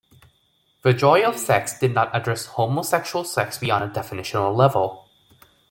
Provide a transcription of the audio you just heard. "The Joy of Sex" did not address homosexual sex beyond a definitional level.